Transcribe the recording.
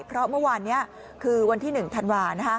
เพราะเมื่อวานเนี้ยคือวันที่หนึ่งธันวานะฮะ